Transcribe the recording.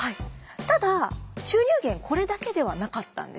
ただ収入源これだけではなかったんですね。